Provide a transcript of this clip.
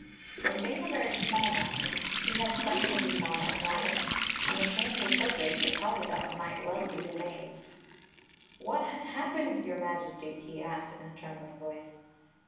From being a very small man he had suddenly Story of the Magic Cloak 119 become a giant, and the change was so great that Tollydob might well be amazed. "What has happened, your Majesty?" he asked in a trembling voice.